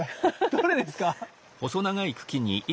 どれですか？